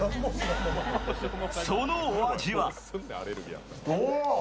そのお味は？